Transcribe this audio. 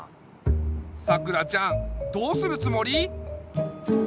さくらちゃんどうするつもり？